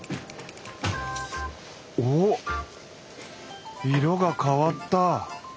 おおっ色が変わった！